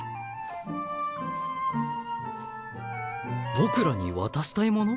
僕らに渡したいもの？